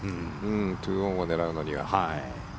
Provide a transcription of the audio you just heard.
２オンを狙うのには。